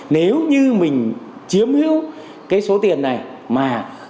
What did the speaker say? nếu như mình chiếm hữu cái số tiền này mà